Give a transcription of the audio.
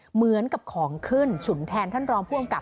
เหมือนกับของขึ้นฉุนแทนท่านรองผู้กำกับ